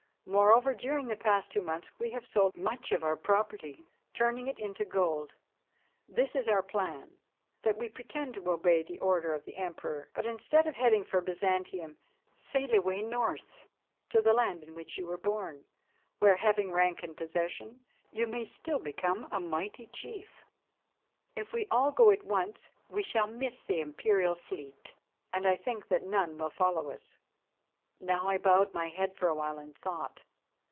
Moreover, during the past two months we have sold much of our property, turning it into gold. This is our plan that we pretend to obey the order of the Emperor, but instead of heading for Byzantium, sail away north to the land in which you were born, where, having rank and possessions, you may still become a mighty chief. If we go at once we shall miss the Imperial fleet, and I think that none will follow us." Now I bowed my head for a while and thought.